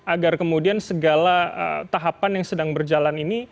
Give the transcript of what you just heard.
agar kemudian segala tahapan yang sedang berjalan ini